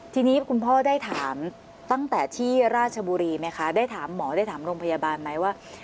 ทีนี้คุณพ่อได้ถามตั้งแต่ที่ราชบุรีไหมคะได้ถามหมอได้ถามโรงพยาบาลไหมว่า